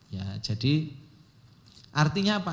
ya jadi artinya apa